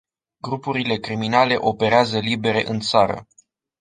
Grupurile criminale operează libere în țară.